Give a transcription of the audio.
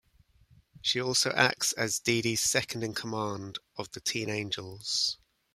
She also acts as Dee Dee's second-in-command of the Teen Angels.